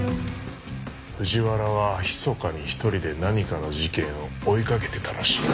藤原はひそかに一人で何かの事件を追いかけてたらしいが。